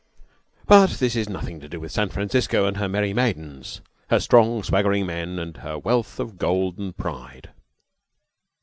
But this is nothing to do with San Francisco and her merry maidens, her strong, swaggering men, and her wealth of gold and pride.